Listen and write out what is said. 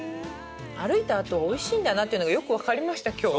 歩いたあとはおいしいんだなというのがよくわかりました今日。